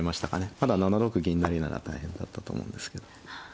まだ７六銀成なら大変だったと思うんですけど。